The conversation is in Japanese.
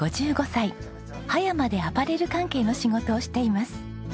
葉山でアパレル関係の仕事をしています。